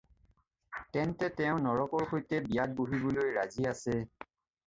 তেন্তে তেওঁ নৰকৰ সৈতে বিয়াত বহিবলৈ ৰাজি আছে।